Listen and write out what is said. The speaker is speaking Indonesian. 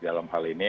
dalam hal ini